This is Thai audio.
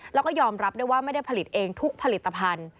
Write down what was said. แล้วก็ยอมรับด้วยว่าไม่ได้ผลิตเองทุกผลิตภัณฑ์